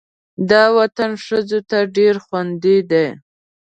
دا وطن ښځو ته ډېر خوندي دی.